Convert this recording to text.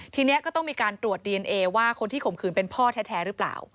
ทีนี้ก็ต้องมีการตรวจดีเอนเอว่าคนที่ข่มขืนเป็นพ่อแท้หรือเปล่า